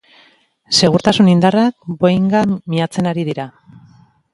Segurtasun indarrak boeinga miatzen ari dira.